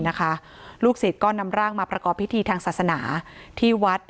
ลูกศิษย์ก็นำร่างมาประกอบพิธีทางศาสนาที่วัด